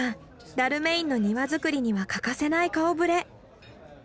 ダルメインの庭作りには欠かせない顔ぶれ。